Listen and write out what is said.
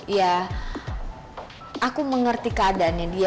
ya aku mengerti keadaannya dia